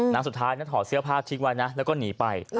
สุดท้ายถอดเสื้อผ้าทิ้งไว้นะแล้วก็หนีไป